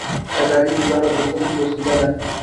اداري نظارت د سمون وسیله ده.